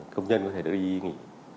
công nhân có thể đi nghỉ